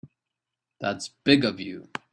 That's big of you.